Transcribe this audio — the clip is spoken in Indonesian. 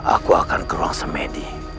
aku akan ke ruang semedi